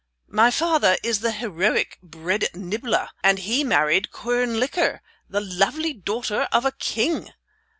My father is the heroic Bread Nibbler, and he married Quern Licker, the lovely daughter of a king.